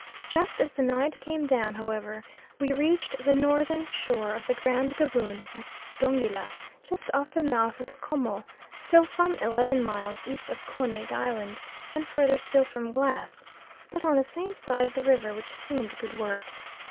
Just as the night came down, however, we reached the northern shore of the Grand Gaboon at Dongila, just off the mouth of the 'Como, still some eleven miles east of Konig Island, and further still from Glass, but on the same side of the river, which seemed good work.